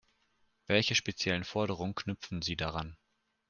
Welche speziellen Forderungen knüpfen Sie daran?